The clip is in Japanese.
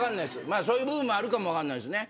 まぁそういう部分もあるかも分かんないですね。